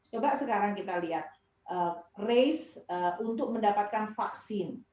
coba sekarang kita lihat race untuk mendapatkan vaksin